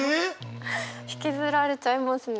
引きずられちゃいますね。